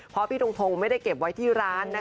เพราะพี่ทงทงไม่ได้เก็บไว้ที่ร้านนะคะ